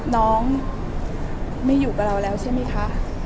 น้องไม่อยู่กับเราแล้วใช่ไหมคะ